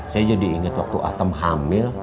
saya jadi ingat waktu atem hamil